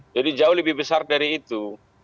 jadi jauh lebih besar dari itu